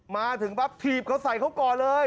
มาถึงปั๊บถีบเขาใส่เขาก่อนเลย